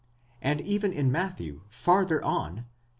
and even in Matthew, farther on (xii.